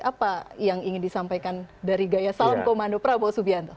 apa yang ingin disampaikan dari gaya salam komando prabowo subianto